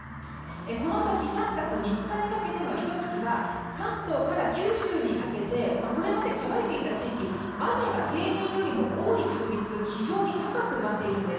この先、３月３日にかけてのひと月は関東から九州にかけてこれまで乾いていた地域雨が平年よりも多い確率非常に高くなっているんです。